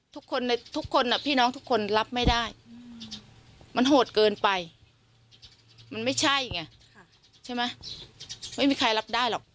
ทุกคนในทุกคนพี่น้องทุกคนรับไม่ได้มันโหดเกินไปมันไม่ใช่ไงใช่ไหมไม่มีใครรับได้หรอก